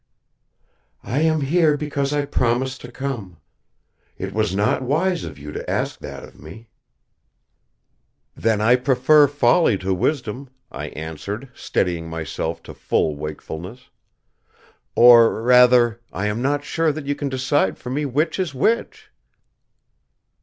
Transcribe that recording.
"I am here because I promised to come. It was not wise of you to ask that of me." "Then I prefer folly to wisdom," I answered, steadying myself to full wakefulness. "Or, rather, I am not sure that you can decide for me which is which!"